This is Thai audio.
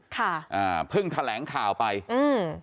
ค่ะอ่าเพิ่งแถลงข่าวไปอืม